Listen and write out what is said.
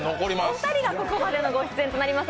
お二人がここまでのご出演となります。